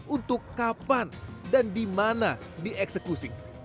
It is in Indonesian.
untuk kapan dan di mana dieksekusi